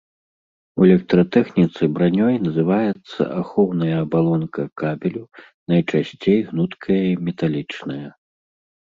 У электратэхніцы бранёй называецца ахоўная абалонка кабелю, найчасцей гнуткая і металічная.